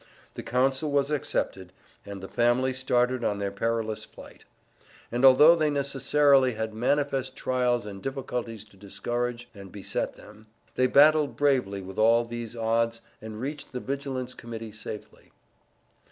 The counsel was accepted, and the family started on their perilous flight. And although they necessarily had manifest trials and difficulties to discourage and beset them, they battled bravely with all these odds and reached the Vigilance Committee safely.